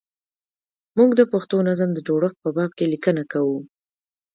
موږ د پښتو نظم د جوړښت په باب لیکنه کوو.